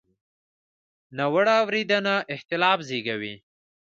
ناوړه اورېدنه اختلاف زېږوي.